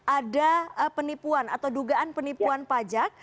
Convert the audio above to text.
ada penipuan atau dugaan penipuan pajak